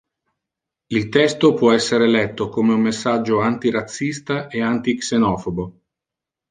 Il testo può essere letto come un messaggio anti-razzista e anti-xenofobo.